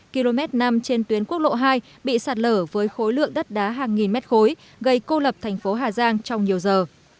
km năm trên tuyến quốc lộ hai bị sạt lở với khối lượng đất đá hàng nghìn mét khối gây cô lập thành phố hà giang trong nhiều giờ